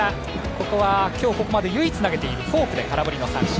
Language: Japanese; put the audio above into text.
ここは今日ここまで唯一投げているフォークで空振りの三振。